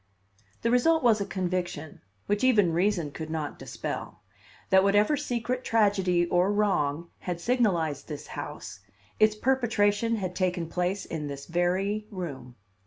The result was a conviction, which even reason could not dispel, that whatever secret tragedy or wrong had signalized this house, its perpetration had taken place in this very room.